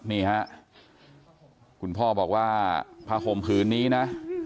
นี่ฮะคุณพ่อบอกว่าผ้าห่มผืนนี้นะ